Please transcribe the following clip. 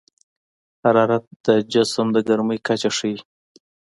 حرارت د جسم د ګرمۍ کچه ښيي.